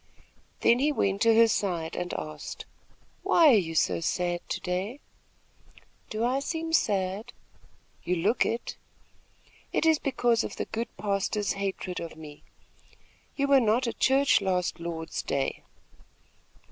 Then he went to her side and asked: "Why are you so sad to day?" "Do I seem sad?" "You look it." "It is because of the good pastor's hatred of me. You were not at Church last Lord's day?"